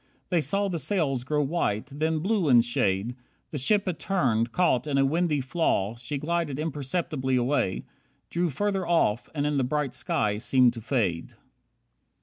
They saw the sails grow white, then blue in shade, The ship had turned, caught in a windy flaw She glided imperceptibly away, Drew farther off and in the bright sky seemed to fade.